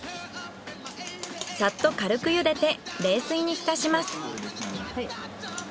サッと軽く茹でて冷水に浸します。